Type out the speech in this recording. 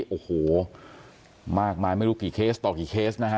โอ้โหมากมายไม่รู้กี่เคสต่อกี่เคสนะฮะ